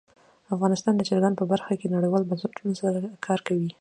افغانستان د چرګان په برخه کې نړیوالو بنسټونو سره کار کوي.